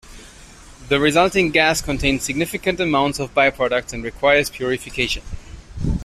The resulting gas contains significant amounts of byproducts and requires purification.